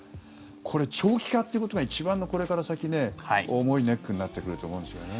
これ、長期化ということが一番の、これから先重いネックになってくると思うんですよね。